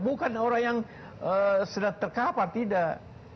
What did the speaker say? bukan orang yang sudah terkahak atau tidak